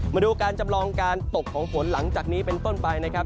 มาดูการจำลองการตกของฝนหลังจากนี้เป็นต้นไปนะครับ